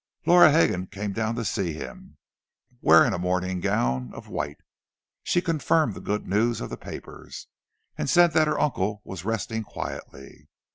Laura Hegan came down to see him, wearing a morning gown of white. She confirmed the good news of the papers, and said that her uncle was resting quietly.